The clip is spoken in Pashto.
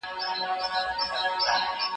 زه به سبا سپينکۍ پرېولم وم.